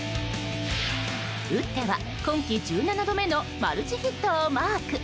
打っては、今季１７度目のマルチヒットをマーク。